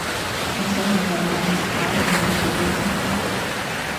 唔使你理啊！搞掂你自己先啦！